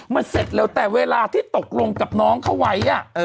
มันเสร็จเร็วแต่เวลาที่ตกลงกับน้องเขาไว้